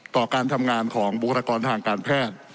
การทำงานของบุคลากรทางการแพทย์